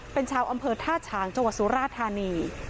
เป็นชาวอำเภอท่าฉางจุฬาสุลาธารณี